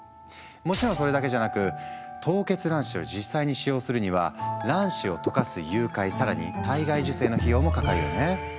もちろんそれだけじゃなく凍結卵子を実際に使用するには卵子をとかす融解更に体外受精の費用もかかるよね。